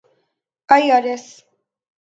IRAS